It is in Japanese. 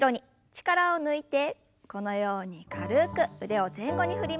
力を抜いてこのように軽く腕を前後に振りましょう。